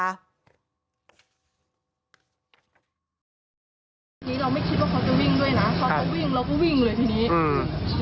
เมื่อกี้เราไม่คิดว่าเขาจะวิ่งด้วยนะเขาจะวิ่งเราก็วิ่งเลยทีนี้อืม